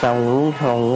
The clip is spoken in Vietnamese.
xong uống xong